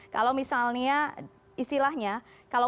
kalau misalnya istilahnya